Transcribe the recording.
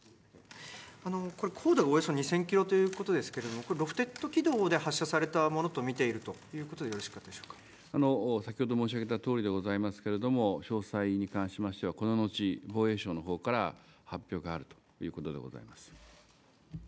高度がおよそ２０００キロということですけれども、これ、ロフテッド軌道で発射されたものと見ているということでよろしか先ほど申し上げたとおりでございますけれども、詳細に関しましては、この後、防衛省のほうから発表があるということでございます。